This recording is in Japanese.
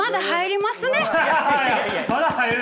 まだ入る？